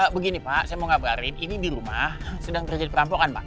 begini pak saya mau kabarin ini di rumah sedang terjadi perampokan pak